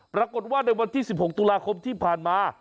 ปรากฏว่าในวันที่๑๖ตุลาคมที่ผ่านมา